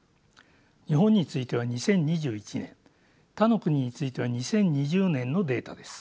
日本については２０２１年他の国については２０２０年のデータです。